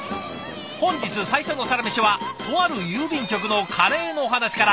本日最初のサラメシはとある郵便局のカレーのお話から。